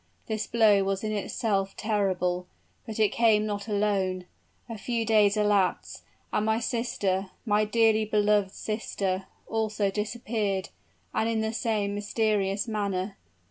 This blow was in itself terrible. But it came not alone. A few days elapsed, and my sister my dearly beloved sister also disappeared, and in the same mysterious manner.